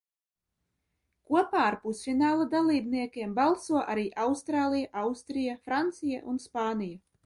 Kopā ar pusfināla dalībniekiem balso arī Austrālija, Austrija, Francija un Spānija.